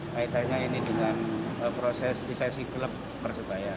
kaitannya ini dengan proses resesi klub persebaya